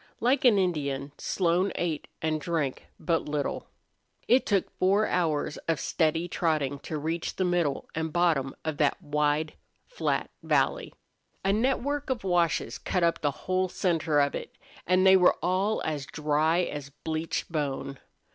Like an Indian, Slone ate and drank but little. It took four hours of steady trotting to reach the middle and bottom of that wide, flat valley. A network of washes cut up the whole center of it, and they were all as dry as bleached bone.